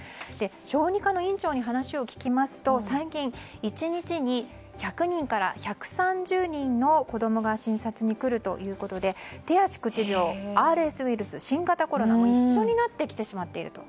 小児科の院長に話を聞きますと最近、１日に１００人から１３０人の子供が診察に来るということで手足口病、ＲＳウイルス新型コロナが一緒になってきてしまっていると。